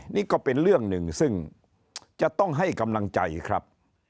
นี่ก็เป็นเรื่องหนึ่งซึ่งจะต้องให้กำลังใจครับ